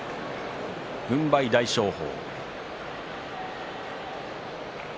軍配、大翔鵬。